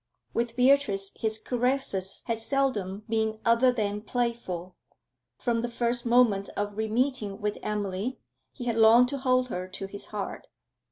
With Beatrice his caresses had seldom been other than playful; from the first moment of re meeting with Emily, he had longed to hold her to his heart.